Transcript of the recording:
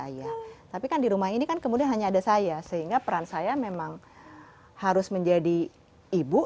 ayah tapi kan di rumah ini kan kemudian hanya ada saya sehingga peran saya memang harus menjadi ibu